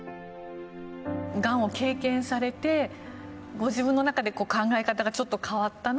がんを経験されてご自分の中で考え方がちょっと変わったな